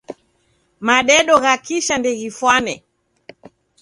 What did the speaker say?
Madedo gha kisha ndeghifwane.